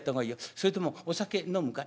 それともお酒飲むかい？